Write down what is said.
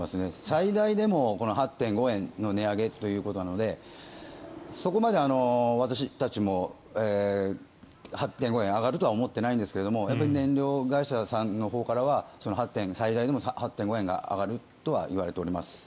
最大でも８．５円の値上げということなのでそこまで私たちも８．５円上がるとは思っていないんですがやっぱり燃料会社さんのほうからは最大でも８．５円上がるとは言われております。